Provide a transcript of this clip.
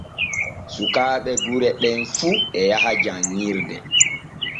Sukaaɓe gure ɗem fu e yaha janŋirde.